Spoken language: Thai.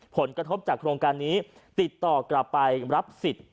ผลกระทบจากโครงการนี้ติดต่อกลับไปรับสิทธิ์